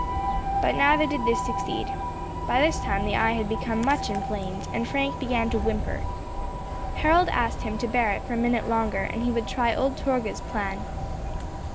But neither did this succeed. By this time the eye had become much inflamed, and Frank began to whimper. Harold asked him to bear it for a minute longer, and he would try old Torgah's plan.